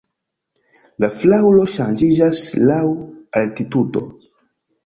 La flaŭro ŝanĝiĝas laŭ altitudo.